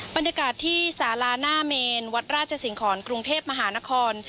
บรรยากาศที่สาราหน้าเมนวัดราชสิงหอนกรุงเทพมหานคร